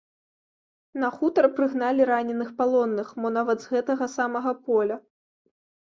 На хутар прыгналі раненых палонных, мо нават з гэтага самага поля.